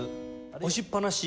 押しっぱなし？